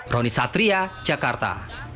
roni satria jakarta